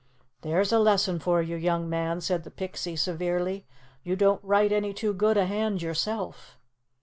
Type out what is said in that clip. "There's a lesson for you, young man," said the Pixie severely. "You don't write any too good a hand yourself."